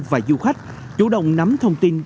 và du khách chủ động nắm thông tin